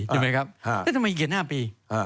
ทำไมเหลือจะไม่กินละ๕ปี